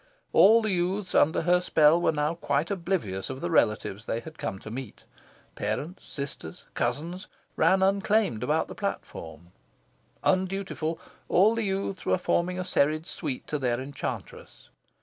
All the youths, under her spell, were now quite oblivious of the relatives they had come to meet. Parents, sisters, cousins, ran unclaimed about the platform. Undutiful, all the youths were forming a serried suite to their enchantress.